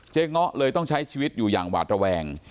เงาะเลยต้องใช้ชีวิตอยู่อย่างหวาดระแวง